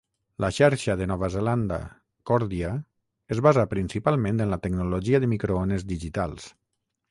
La xarxa de Nova Zelanda Kordia es basa principalment en la tecnologia de microones digitals.